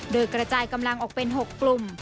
โดยกระจายกำลังออกเป็น๖กลุ่ม